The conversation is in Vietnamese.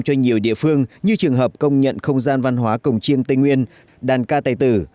cho nhiều địa phương như trường hợp công nhận không gian văn hóa cổng chiêng tây nguyên đàn ca tài tử